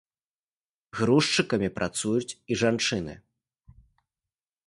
Грузчыкамі працуюць і жанчыны.